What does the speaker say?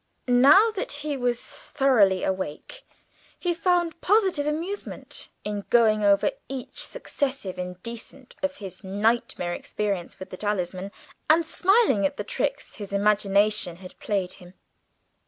Now that he was thoroughly awake he found positive amusement in going over each successive incident of his nightmare experience with the talisman, and smiling at the tricks his imagination had played him.